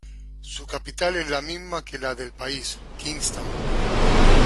Su capital es la misma que la del país, Kingstown.